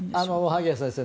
萩谷先生